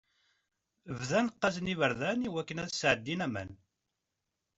Bɣan qqazen iberdan i wakken ad sɛeddin aman.